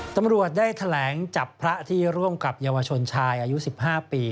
ตำรวจได้แถลงจับพระที่ร่วมกับเยาวชนชายอายุ๑๕ปี